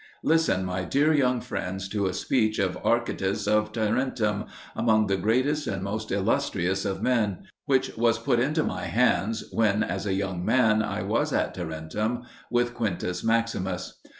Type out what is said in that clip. Listen, my dear young friends, to a speech of Archytas of Tarentum, among the greatest and most illustrious of men, which was put into my hands when as a young man I was at Tarentum with Q. Maximus.